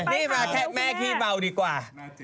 นี่มาแค่แม่ขี้เมาดีกว่า